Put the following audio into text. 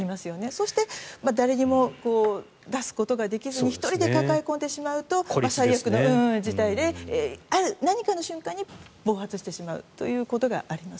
そして誰にも出すことができずに１人で抱え込んでしまうと最悪の事態で何かの瞬間の暴発してしまうということがあります。